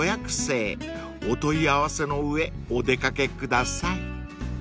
［お問い合わせの上お出掛けください］